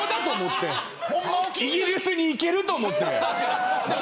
イギリスに行けると思って。